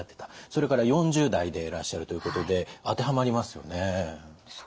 それから４０代でいらっしゃるということで当てはまりますよね。